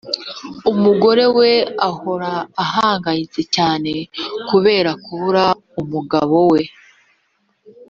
umugore we ahora ahangayitse cyane kubera kubura umugabo we